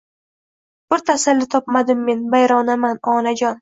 Bir tasalli topmadim men vayronaman Onajon